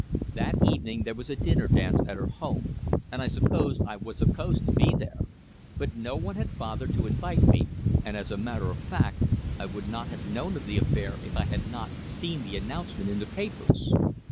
That evening there was a dinner dance at her home, and I supposed I was supposed to be there; but no one had bothered to invite me, and as a matter of fact I would not have known of the affair if I had not seen the announcement in the papers.